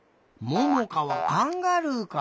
ももかはカンガルーか。